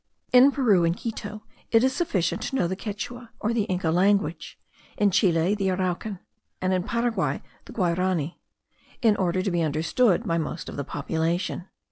In Peru and Quito it is sufficient to know the Quichua, or the Inca language; in Chile, the Araucan; and in Paraguay, the Guarany; in order to be understood by most of the population.